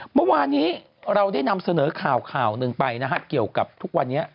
เมื่อวานนี้เราได้นำเสนอข่าวข่าวหนึ่งไปนะฮะเกี่ยวกับทุกวันนี้